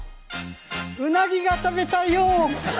うなぎが食べたいよ。